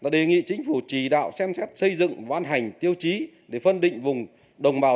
đề nghị chính phủ chỉ đạo xem xét xây dựng ban hành tiêu chí để phân định vùng đồng bào